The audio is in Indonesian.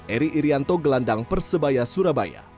eri irianto gelandang persebaya surabaya